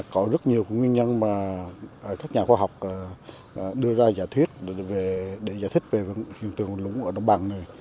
có rất nhiều nguyên nhân mà các nhà khoa học đưa ra giả thuyết để giải thích về hiện tượng lúng ở đồng bằng này